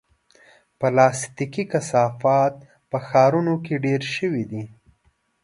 پلاستيکي کثافات په ښارونو کې ډېر شوي دي.